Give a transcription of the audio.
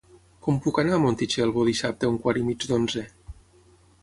Com puc anar a Montitxelvo dissabte a un quart i mig d'onze?